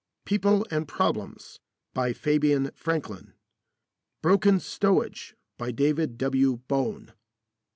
"People and Problems," by Fabian Franklin. "Broken Stowage," by David W. Bone.